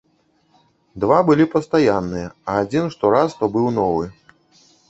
Два былі пастаянныя, а адзін штораз то быў новы.